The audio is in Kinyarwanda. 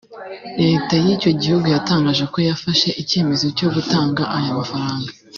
Leta y’icyo gihugu yatangaje ko yafashe icyemezo cyo gutanga aya mafaranga